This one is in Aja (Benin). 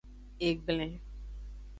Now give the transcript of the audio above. Egblen.